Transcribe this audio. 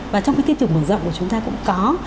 và trong cái tiết kiệm mở rộng của chúng ta cũng có